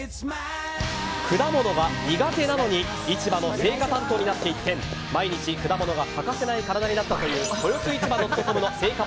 果物が苦手なのに市場の青果担当になって一転毎日、果物が欠かせない体になったという豊洲市場ドットコムの青果